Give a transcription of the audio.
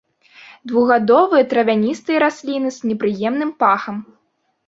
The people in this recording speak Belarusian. Двухгадовыя травяністыя расліны з непрыемным пахам.